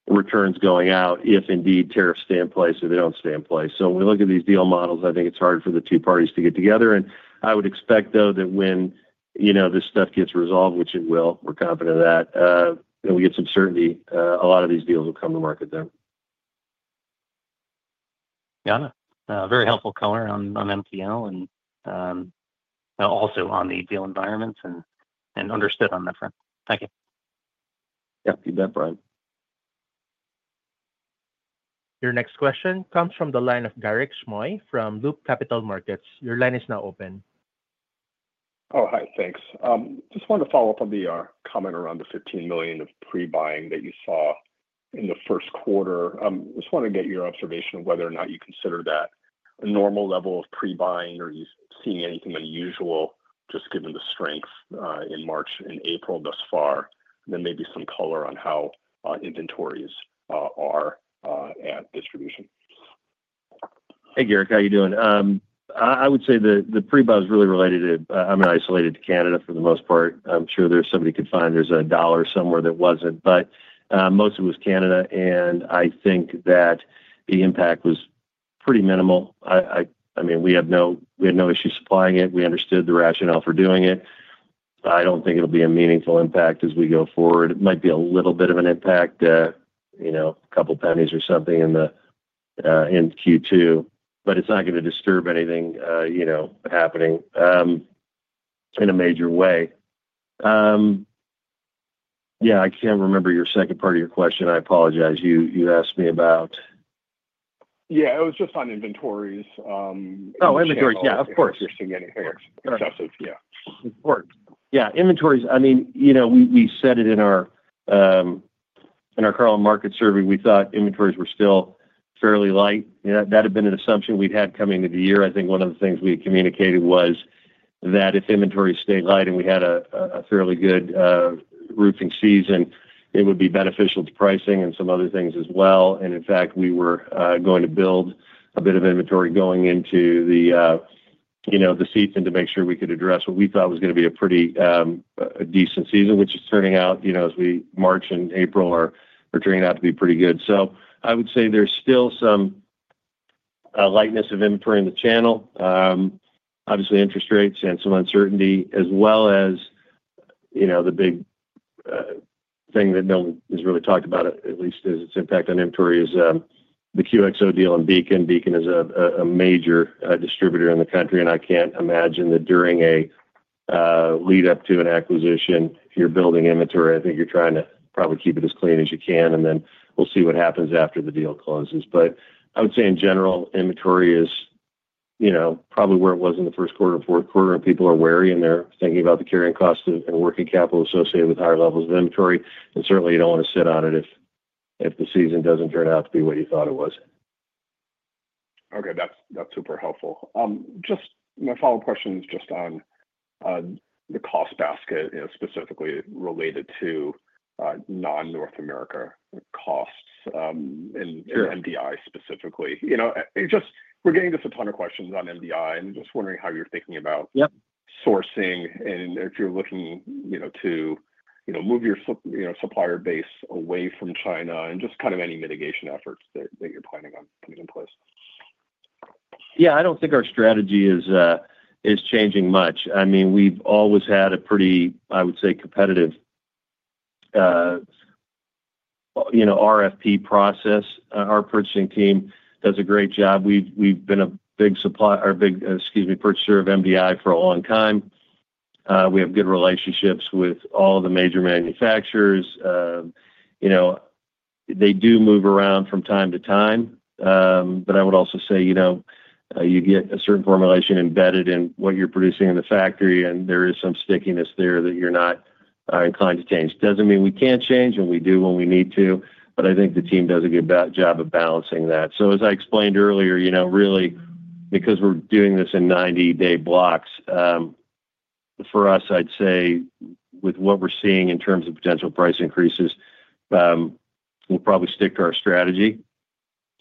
returns going out if indeed tariffs stay in place or they don't stay in place. When we look at these deal models, I think it's hard for the two parties to get together. I would expect, though, that when, you know, this stuff gets resolved, which it will, we're confident of that, that we get some certainty, a lot of these deals will come to market then. Got it. Very helpful color on MTL and also on the deal environments and understood on that front. Thank you. Yeah. You bet, Brian. Your next question comes from the line of Garik Shmois from Loop Capital. Your line is now open. Oh, hi. Thanks. Just wanted to follow up on the comment around the $15 million of pre-buying that you saw in the first quarter. Just wanted to get your observation of whether or not you consider that a normal level of pre-buying or you're seeing anything unusual just given the strength in March and April thus far, and then maybe some color on how inventories are at distribution. Hey, Garik, how are you doing? I would say the pre-buy was really related to, I mean, isolated to Canada for the most part. I'm sure somebody could find there's a dollar somewhere that wasn't, but most of it was Canada. I think that the impact was pretty minimal. I mean, we had no issue supplying it. We understood the rationale for doing it. I don't think it'll be a meaningful impact as we go forward. It might be a little bit of an impact, you know, a couple pennies or something in Q2, but it's not going to disturb anything, you know, happening in a major way. I can't remember your second part of your question. I apologize. You asked me about. It was just on inventories. Oh, inventories. Of course. You're seeing anything excessive. Of course. Inventories. I mean, you know, we said it in our Carlisle market survey. We thought inventories were still fairly light. That had been an assumption we'd had coming into the year. I think one of the things we had communicated was that if inventories stayed light and we had a fairly good roofing season, it would be beneficial to pricing and some other things as well. In fact, we were going to build a bit of inventory going into the, you know, the season to make sure we could address what we thought was going to be a pretty decent season, which is turning out, you know, as we March and April are turning out to be pretty good. I would say there's still some lightness of inventory in the channel. Obviously, interest rates and some uncertainty, as well as, you know, the big thing that no one has really talked about, at least as its impact on inventory, is the QXO deal and Beacon. Beacon is a major distributor in the country, and I can't imagine that during a lead-up to an acquisition, if you're building inventory, I think you're trying to probably keep it as clean as you can, and then we'll see what happens after the deal closes. I would say in general, inventory is, you know, probably where it was in the first quarter and fourth quarter, and people are wary, and they're thinking about the carrying cost and working capital associated with higher levels of inventory. Certainly, you don't want to sit on it if the season doesn't turn out to be what you thought it was. Okay. That's super helpful. Just my follow-up question is just on the cost basket, you know, specifically related to non-North America costs and MDI specifically. You know, just we're getting just a ton of questions on MDI, and just wondering how you're thinking about sourcing and if you're looking, you know, to, you know, move your supplier base away from China and just kind of any mitigation efforts that you're planning on putting in place. Yeah. I don't think our strategy is changing much. I mean, we've always had a pretty, I would say, competitive, you know, RFP process. Our purchasing team does a great job. We've been a big, excuse me, purchaser of MDI for a long time. We have good relationships with all the major manufacturers. You know, they do move around from time to time, but I would also say, you know, you get a certain formulation embedded in what you're producing in the factory, and there is some stickiness there that you're not inclined to change. Doesn't mean we can't change and we do when we need to, but I think the team does a good job of balancing that. As I explained earlier, you know, really, because we're doing this in 90-day blocks, for us, I'd say with what we're seeing in terms of potential price increases, we'll probably stick to our strategy.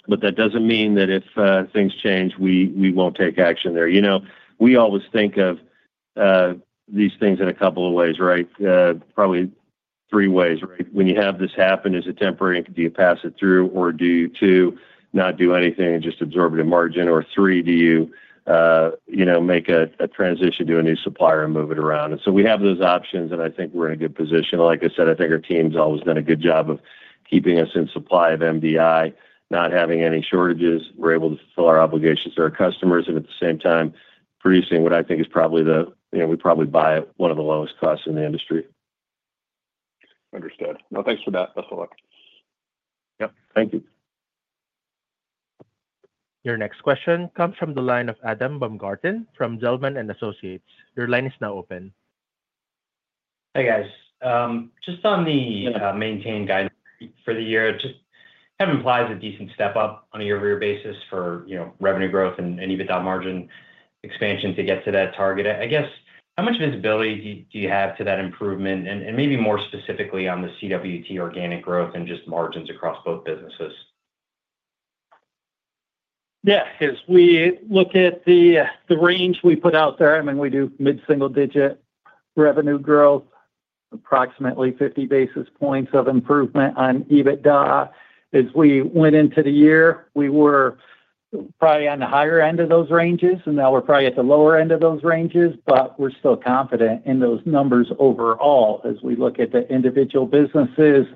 That doesn't mean that if things change, we won't take action there. You know, we always think of these things in a couple of ways, right? Probably three ways, right? When you have this happen, is it temporary and do you pass it through, or do you, two, not do anything and just absorb it in margin, or three, do you, you know, make a transition to a new supplier and move it around? We have those options, and I think we're in a good position. Like I said, I think our team's always done a good job of keeping us in supply of MDI, not having any shortages. We're able to fulfill our obligations to our customers and at the same time producing what I think is probably the, you know, we probably buy at one of the lowest costs in the industry. Understood. Thanks for that. Best of luck. Yep. Thank you. Your next question comes from the line of Adam Baumgarten from Zelman & Associates. Your line is now open. Hey, guys. Just on the maintain guidance for the year, just have implies a decent step up on a year-over-year basis for, you know, revenue growth and EBITDA margin expansion to get to that target. I guess, how much visibility do you have to that improvement and maybe more specifically on the CWT organic growth and just margins across both businesses? Yeah. As we look at the range we put out there, I mean, we do mid-single-digit revenue growth, approximately 50 basis points of improvement on EBITDA. As we went into the year, we were probably on the higher end of those ranges, and now we're probably at the lower end of those ranges, but we're still confident in those numbers overall. As we look at the individual businesses,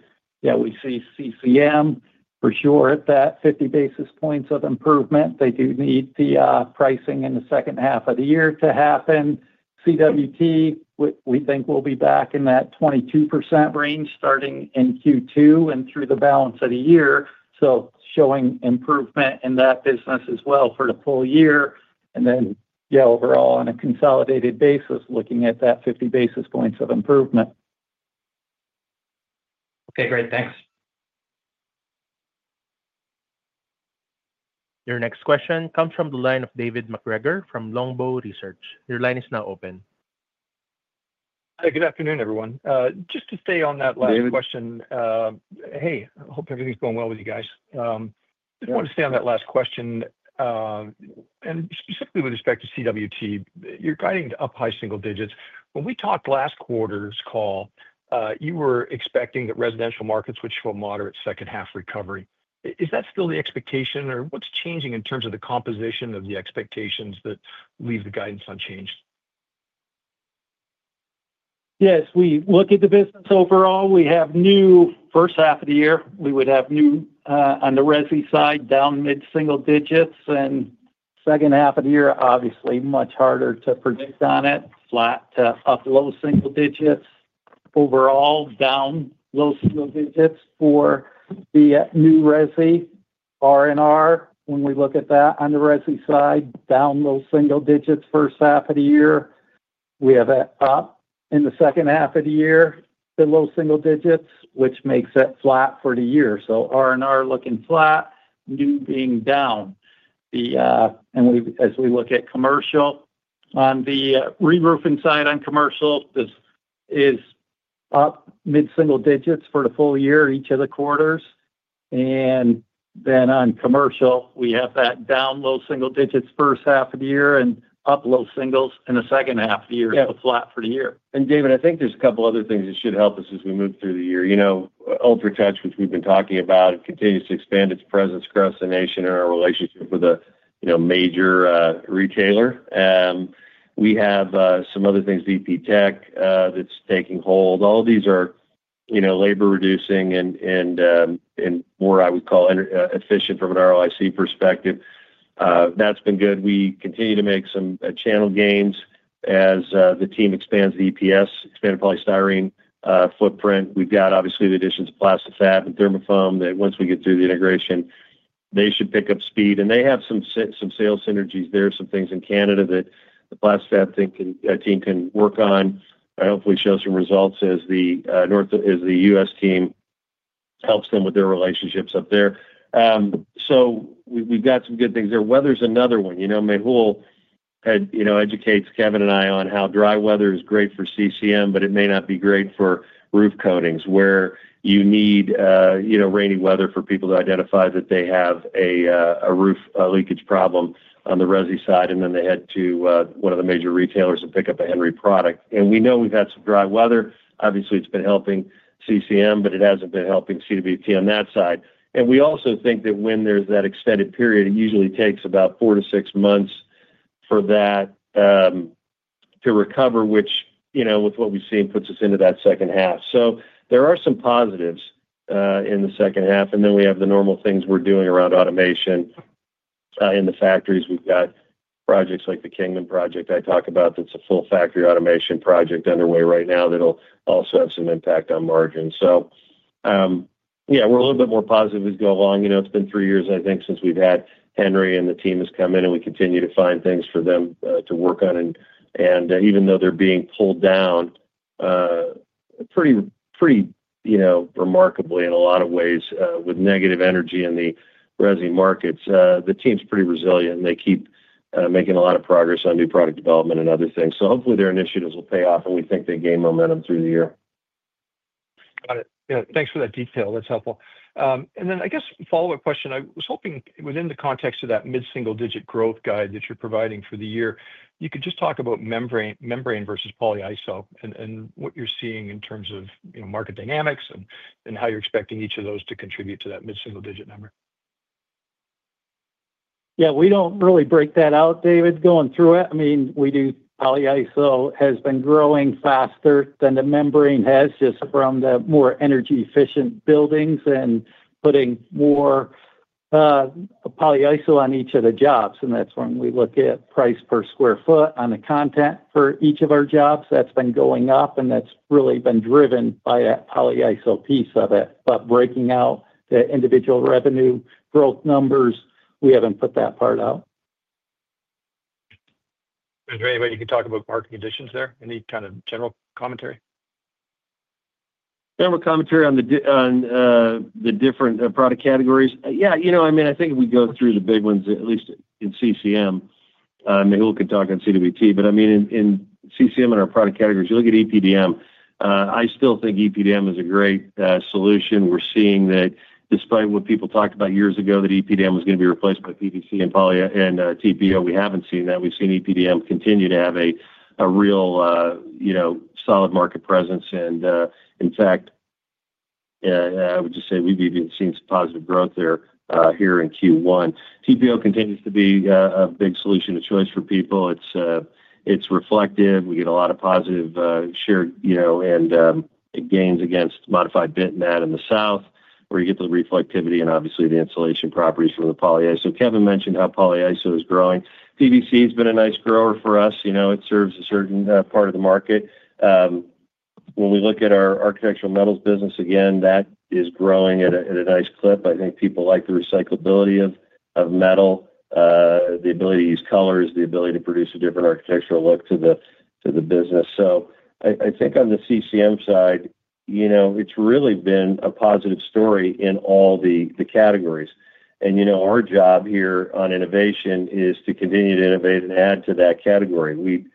yeah, we see CCM for sure at that 50 basis points of improvement. They do need the pricing in the second half of the year to happen. CWT, we think we'll be back in that 22% range starting in Q2 and through the balance of the year. Showing improvement in that business as well for the full year. Yeah, overall, on a consolidated basis, looking at that 50 basis points of improvement. Okay. Great. Thanks. Your next question comes from the line of David MacGregor from Longbow Research. Your line is now open. Hi. Good afternoon, everyone. Just to stay on that last question. David. Hey. I hope everything's going well with you guys. Just wanted to stay on that last question. Specifically with respect to CWT, you're guiding up high single digits. When we talked last quarter's call, you were expecting that residential markets would show a moderate second-half recovery. Is that still the expectation, or what's changing in terms of the composition of the expectations that leave the guidance unchanged? Yes. We look at the business overall. We have new first half of the year. We would have new on the resi side, down mid-single digits, and second half of the year, obviously much harder to predict on it. Flat to up low single digits. Overall, down low single digits for the new resi, R&R. When we look at that on the resi side, down low single digits first half of the year. We have an up in the second half of the year, the low single digits, which makes it flat for the year. R&R looking flat, new being down. As we look at commercial, on the re-roofing side on commercial, this is up mid-single digits for the full year, each of the quarters. On commercial, we have that down low single digits first half of the year and up low singles in the second half of the year for flat for the year. David, I think there's a couple other things that should help us as we move through the year. You know, UltraTouch, which we've been talking about, continues to expand its presence across the nation and our relationship with a, you know, major retailer. We have some other things, VPTech, that's taking hold. All these are, you know, labor-reducing and more, I would call, efficient from an ROIC perspective. That's been good. We continue to make some channel gains as the team expands the EPS, expanded polystyrene footprint. We've got, obviously, the additions of Plasti-Fab and ThermaFoam that once we get through the integration, they should pick up speed. They have some sales synergies there, some things in Canada that the Plasti-Fab team can work on. I hope we show some results as the U.S. team helps them with their relationships up there. We've got some good things there. Weather's another one. You know, Mehul had, you know, educates Kevin and I on how dry weather is great for CCM, but it may not be great for roof coatings where you need, you know, rainy weather for people to identify that they have a roof leakage problem on the resi side, and then they head to one of the major retailers and pick up a Henry product. You know we've had some dry weather. Obviously, it's been helping CCM, but it hasn't been helping CWT on that side. We also think that when there's that extended period, it usually takes about four to six months for that to recover, which, you know, with what we've seen, puts us into that second half. There are some positives in the second half, and then we have the normal things we're doing around automation in the factories. We've got projects like the Kingman project I talked about that's a full factory automation project underway right now that'll also have some impact on margins. Yeah, we're a little bit more positive as we go along. You know, it's been three years, I think, since we've had Henry, and the team has come in, and we continue to find things for them to work on. Even though they're being pulled down pretty, you know, remarkably in a lot of ways with negative energy in the resi markets, the team's pretty resilient, and they keep making a lot of progress on new product development and other things. Hopefully their initiatives will pay off, and we think they gain momentum through the year. Got it. Yeah. Thanks for that detail. That's helpful. I guess follow-up question. I was hoping within the context of that mid-single digit growth guide that you're providing for the year, you could just talk about membrane versus Polyiso and what you're seeing in terms of, you know, market dynamics and how you're expecting each of those to contribute to that mid-single digit number. Yeah. We don't really break that out, David, going through it. I mean, we do. Polyiso has been growing faster than the membrane has just from the more energy-efficient buildings and putting more Polyiso on each of the jobs. That's when we look at price per square foot on the content for each of our jobs. That's been going up, and that's really been driven by that Polyiso piece of it. Breaking out the individual revenue growth numbers, we haven't put that part out. Is there any way you can talk about market conditions there? Any kind of general commentary? General commentary on the different product categories. Yeah. You know, I mean, I think if we go through the big ones, at least in CCM, Mehul could talk on CWT, but I mean, in CCM and our product categories, you look at EPDM. I still think EPDM is a great solution. We're seeing that despite what people talked about years ago, that EPDM was going to be replaced by PVC and TPO, we haven't seen that. We've seen EPDM continue to have a real, you know, solid market presence. In fact, I would just say we've even seen some positive growth here in Q1. TPO continues to be a big solution of choice for people. It's reflective. We get a lot of positive shared, you know, and gains against modified bentonite in the south where you get the reflectivity and obviously the insulation properties from the Polyiso. Kevin mentioned how Polyiso is growing. PVC has been a nice grower for us. You know, it serves a certain part of the market. When we look at our architectural metals business, again, that is growing at a nice clip. I think people like the recyclability of metal, the ability to use colors, the ability to produce a different architectural look to the business. I think on the CCM side, you know, it's really been a positive story in all the categories. You know, our job here on innovation is to continue to innovate and add to that category. We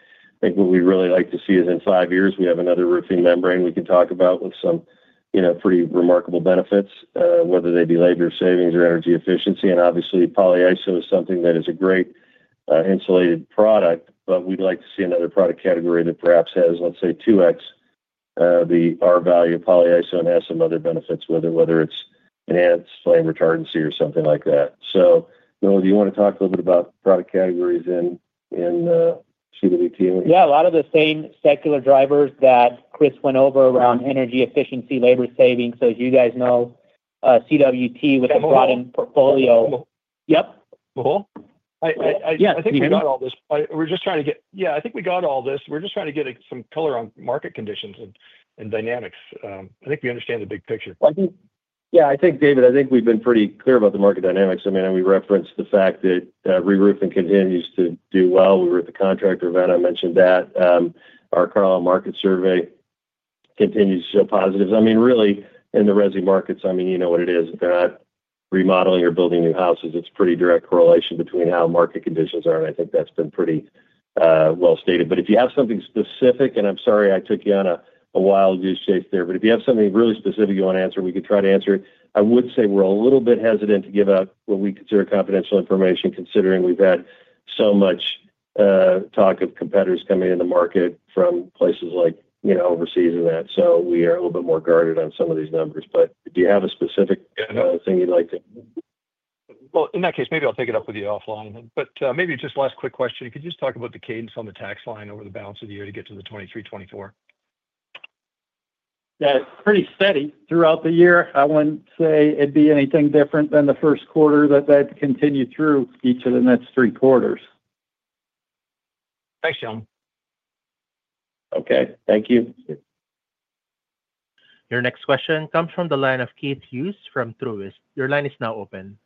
think what we'd really like to see is in five years, we have another roofing membrane we can talk about with some, you know, pretty remarkable benefits, whether they be labor savings or energy efficiency. Obviously, Polyiso is something that is a great insulated product, but we'd like to see another product category that perhaps has, let's say, 2x the R-value of Polyiso and has some other benefits, whether it's enhanced flame retardancy or something like that. Mehul, do you want to talk a little bit about product categories in CWT? Yeah. A lot of the same secular drivers that Chris went over around energy efficiency, labor savings. As you guys know, CWT with a broadened portfolio. Yep. Mehul? Yeah. I think we got all this. We're just trying to get—yeah, I think we got all this. We're just trying to get some color on market conditions and dynamics. I think we understand the big picture. Yeah. I think, David, I think we've been pretty clear about the market dynamics. I mean, we referenced the fact that re-roofing continues to do well. We were at the Contractor Event. I mentioned that. Our Carlisle market survey continues to show positives. I mean, really, in the RESI markets, I mean, you know what it is. If they're not remodeling or building new houses, it's a pretty direct correlation between how market conditions are, and I think that's been pretty well stated. If you have something specific—I am sorry I took you on a wild goose chase there—if you have something really specific you want to answer, we could try to answer it. I would say we're a little bit hesitant to give out what we consider confidential information considering we've had so much talk of competitors coming into the market from places like, you know, overseas and that. So we are a little bit more guarded on some of these numbers. Do you have a specific thing you'd like to— in that case, maybe I'll take it up with you offline. Maybe just last quick question. Could you just talk about the cadence on the tax line over the balance of the year to get to the 23% to 24%? That's pretty steady throughout the year. I wouldn't say it'd be anything different than the first quarter that that continued through each of the next three quarters. Thanks, Shelm. Okay. Thank you. Your next question comes from the line of Keith Hughes from Truist. Your line is now open.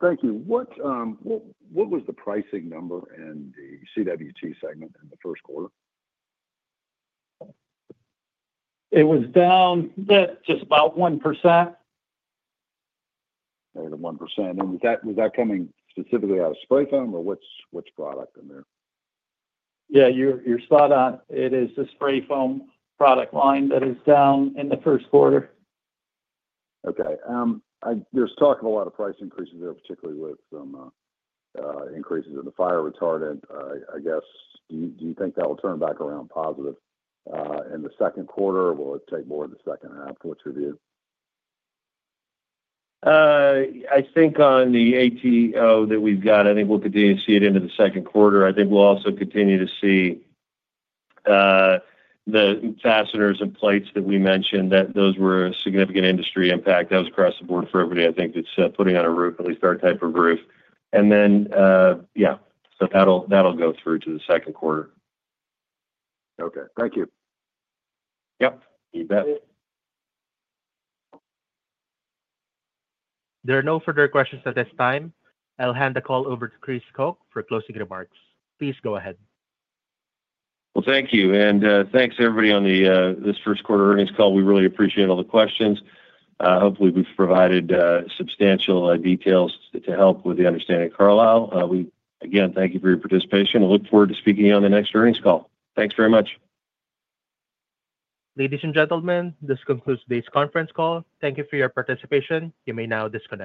Thank you. What was the pricing number in the CWT segment in the first quarter? It was down just about 1%. Over 1%. And was that coming specifically out of Spray Foam or which product in there? Yeah. You're spot on. It is the Spray Foam product line that is down in the first quarter. Okay. There's talk of a lot of price increases there, particularly with some increases in the fire retardant. I guess, do you think that will turn back around positive in the second quarter? Will it take more of the second half? What's your view? I think on the ATO that we've got, I think we'll continue to see it into the second quarter. I think we'll also continue to see the fasteners and plates that we mentioned, that those were a significant industry impact. That was across the board for everybody. I think it's putting on a roof, at least our type of roof. And then, yeah, so that'll go through to the second quarter. Okay. Thank you. Yep. You bet. There are no further questions at this time. I'll hand the call over to Chris Koch for closing remarks. Please go ahead. Thank you. And thanks, everybody, on this first quarter earnings call. We really appreciate all the questions. Hopefully, we've provided substantial details to help with the understanding of Carlisle. Again, thank you for your participation. We'll look forward to speaking to you on the next earnings call. Thanks very much. Ladies and gentlemen, this concludes today's conference call. Thank you for your participation. You may now disconnect.